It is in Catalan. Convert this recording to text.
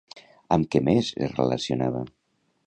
Amb què més es relacionava?